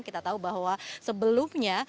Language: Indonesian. kita tahu bahwa sebelumnya